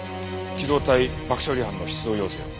機動隊爆処理班の出動要請を。